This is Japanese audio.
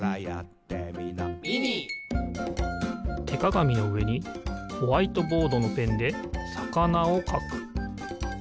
てかがみのうえにホワイトボードのペンでさかなをかく。